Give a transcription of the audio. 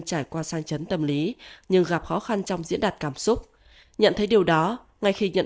trải qua sang chấn tâm lý nhưng gặp khó khăn trong diễn đạt cảm xúc nhận thấy điều đó ngay khi nhận